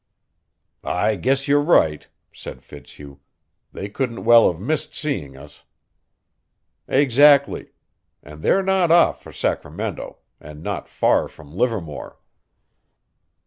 "I guess you're right," said Fitzhugh. "They couldn't well have missed seeing us." "Exactly. And they're not off for Sacramento, and not far from Livermore."